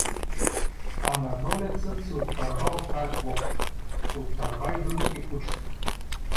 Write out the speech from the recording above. Анадолецът се отърва от тая клопка, отърва и другите кучета.